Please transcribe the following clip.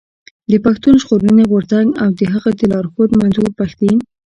د پښتون ژغورني غورځنګ او د هغه د لارښود منظور پښتين.